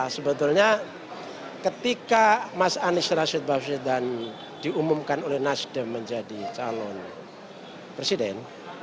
sebetulnya ketika mas anies rashid baswedan diumumkan oleh nasdem menjadi calon presiden